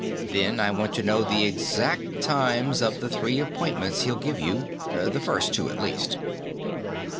Then I want to know the exact times of the three appointments he'll give you the first two, at least."